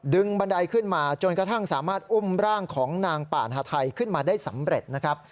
บันไดขึ้นมาจนกระทั่งสามารถอุ้มร่างของนางป่านฮาไทยขึ้นมาได้สำเร็จนะครับ